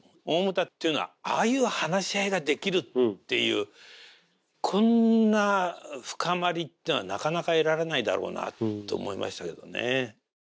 大牟田っていうのはああいう話し合いができるっていうこんな深まりっていうのはなかなか得られないだろうなと思いましたけどね。